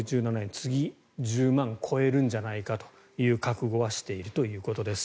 次、１０万超えるんじゃないかという覚悟はしているということです。